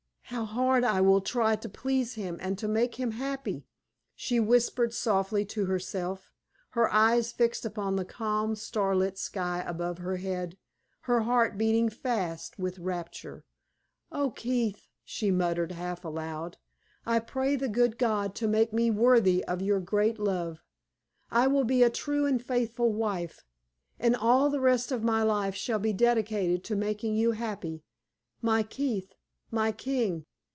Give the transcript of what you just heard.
"How hard I will try to please him and to make him happy!" she whispered softly to herself, her eyes fixed upon the calm, starlit sky above her head, her heart beating fast with rapture. "Oh, Keith!" she murmured half aloud, "I pray the good God to make me worthy of your great love. I will be a true and faithful wife, and all the rest of my life shall be dedicated to making you happy my Keith! my king!"